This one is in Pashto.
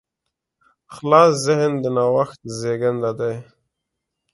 خلاص ذهن د نوښت زېږنده دی.